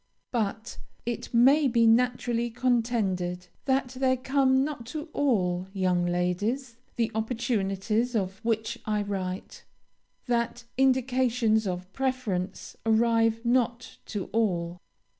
"But, it may be naturally contended, that there come not to all young ladies the opportunities of which I write; that indications of preference arrive not to all.